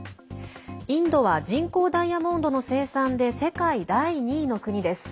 インドは人工ダイヤモンドの生産で世界第２位の国です。